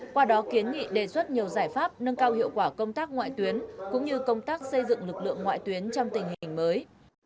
qua đó kiến nghị đề xuất nhiều giải pháp nâng cao hiệu quả công tác ngoại tuyến cũng như công tác xây dựng lực lượng ngoại tuyến trong tình hình mới